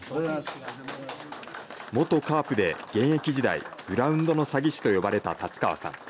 元カープで現役時代グラウンドの詐欺師と呼ばれた達川さん。